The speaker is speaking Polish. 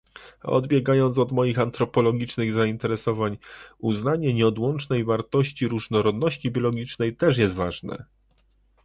A odbiegając od moich antropologicznych zainteresowań, uznanie nieodłącznej wartości różnorodności biologicznej też jest ważne